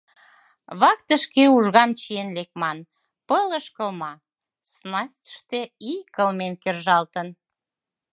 Вахтышке ужгам чиен лекман, пылыш кылма, снастьыште ий кылмен кержалтын.